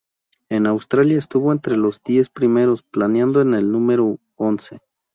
En Australia estuvo entre los diez primeros, planeando en el número once.